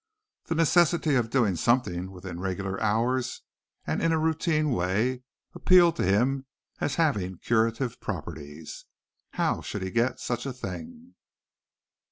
The necessity of doing something within regular hours and in a routine way appealed to him as having curative properties. How should he get such a thing?